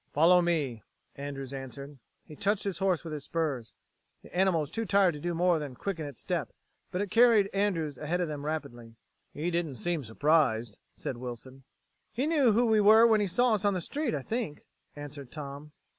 "Follow me," Andrews answered. He touched his horse with his spurs. The animal was too tired to do more than quicken its step, but it carried Andrews ahead of them rapidly. "He didn't seem surprised," said Wilson. "He knew who we were when he saw us on the street, I think," answered Tom.